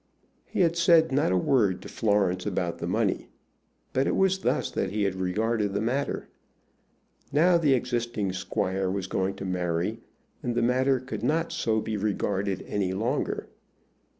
He had said not a word to Florence about money, but it was thus that he had regarded the matter. Now the existing squire was going to marry, and the matter could not so be regarded any longer.